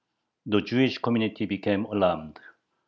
The Jewish community became alarmed.